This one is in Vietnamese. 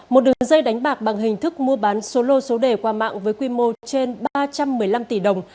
một đường dây đánh bạc bằng hình thức mua bán solo số đề qua mạng với quy mô trên ba trăm một mươi năm tỷ đồng